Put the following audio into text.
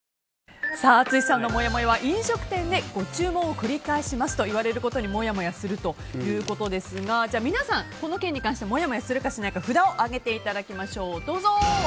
淳さんのもやもやは飲食店でご注文繰り返しますと言われることにもやもやするということですがこの件に関してもやもやするかしないか札を上げていただきましょう。